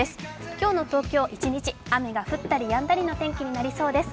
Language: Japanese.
今日の東京、一日雨が降ったりやんだりの天気になりそうです。